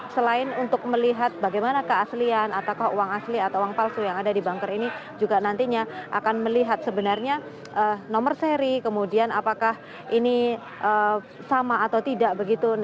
selain untuk melihat bagaimana keaslian ataukah uang asli atau uang palsu yang ada di banker ini juga nantinya akan melihat sebenarnya nomor seri kemudian apakah ini sama atau tidak begitu